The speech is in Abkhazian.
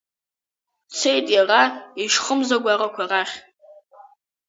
Дцеит иара ишьхымзагәарақәа рахь.